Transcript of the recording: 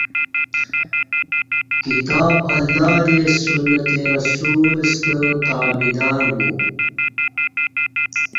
کتاب اللہ دی سنت رسول ستہ تابعداربو